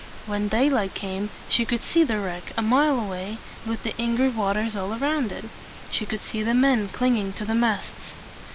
When day light came, she could see the wreck, a mile away, with the angry waters all around it. She could see the men clinging to the masts.